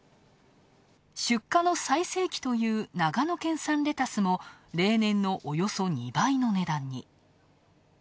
出荷の最盛期という長野県産レタスも例年のおよそ２倍の値段に。